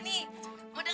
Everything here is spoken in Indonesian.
eh percaya kok